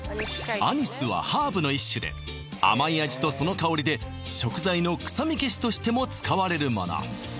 アニスはハーブの一種で甘い味とその香りで食材の臭み消しとしても使われるもの